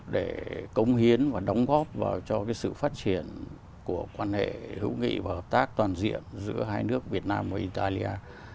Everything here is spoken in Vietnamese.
để cống hiến và đóng góp vào cho sự phát triển của quan hệ hữu nghị và hợp tác toàn diện giữa hai nước việt nam và italia